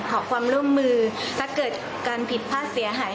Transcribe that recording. ขอความร่วมมือถ้าเกิดการผิดพลาดเสียหาย